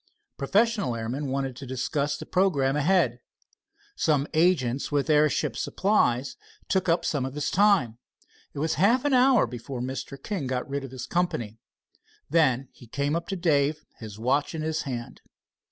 Professional airmen wanted to discuss the programme ahead. Some agents with airship supplies took up some of his time. It was half an hour before Mr. King got rid of his company. Then he came up to Dave, his watch in his hand.